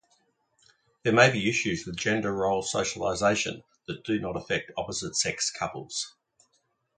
There may be issues with gender-role socialization that do not affect opposite-sex couples.